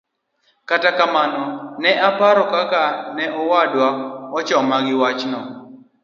Kata kamano ne aparo kaka ne owadwa ochoma gi wachno.